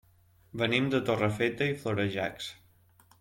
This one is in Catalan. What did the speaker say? Venim de Torrefeta i Florejacs.